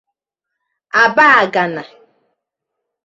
Abagana